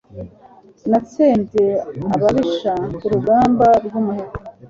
Natsembye ababisha ku rugamba rw'umuheto.